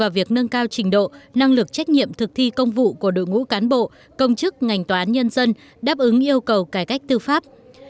việc nâng cao trình độ năng lực trách nhiệm thực thi công vụ của đội ngũ cán bộ công chức ngành tòa án nhân dân đáp ứng yêu cầu cải cách tư pháp